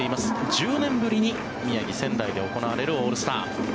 １０年ぶりに宮城・仙台で行われるオールスター。